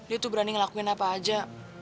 itu berani ngelakuin apa aja